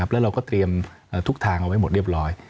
แล้วเราก็เตรียมทุกทางเอาไว้หมดเรียบร้อย